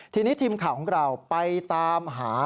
ทีนี้ทีมข่าวของเราไปตามหา